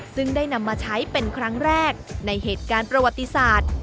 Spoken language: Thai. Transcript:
ซึ่งได้นำมาใช้เป็นครั้งแรกในเหตุการณ์ประวัติศาสตร์